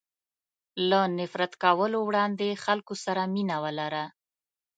له نفرت کولو وړاندې خلکو سره مینه ولره.